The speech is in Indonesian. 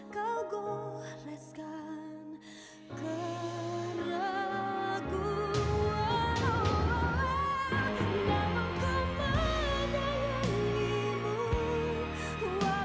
namun ku menyayangimu